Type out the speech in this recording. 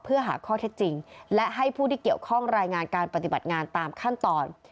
เพื่อหาข้อเท็จจริงและให้ผู้ที่เกี่ยวข้องรายงานการปฏิบัติงานตามขั้นตอน